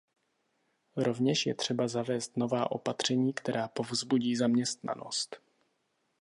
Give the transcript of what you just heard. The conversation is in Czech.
Rovněž je třeba zavést nová opatření, která povzbudí zaměstnanost.